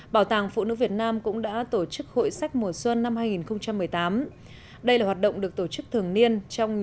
bằng hệ thống máy tính hiện đại